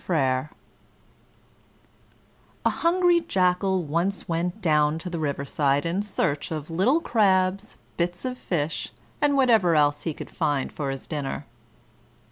FRERE A hungry Jackal once went down to the riverside in search of little crabs, bits of fish, and whatever else he could find for his dinner.